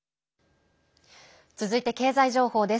続いて、経済情報です。